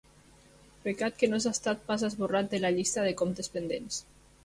Pecat que no ha estat pas esborrat de la llista de comptes pendents.